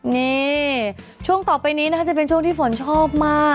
นี่ช่วงต่อไปนี้นะคะจะเป็นช่วงที่ฝนชอบมาก